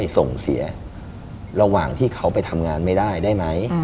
ส่งเสียระหว่างที่เขาไปทำงานไม่ได้ได้ไหม